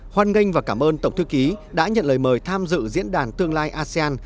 hoan nghênh và cảm ơn tổng thư ký đã nhận lời mời tham dự diễn đàn tương lai asean